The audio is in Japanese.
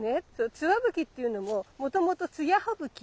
「ツワブキ」っていうのももともと「つや葉ブキ」。